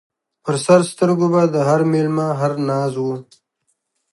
پر سر سترګو به د هر مېلمه هر ناز و